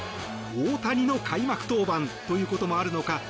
大谷の開幕登板ということもあるのか